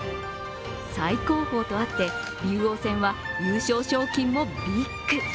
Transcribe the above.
最高峰とあって竜王戦は優勝賞金もビッグ。